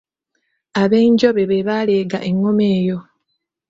Abenjobe be baleega engoma eyo.